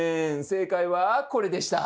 正解はこれでした。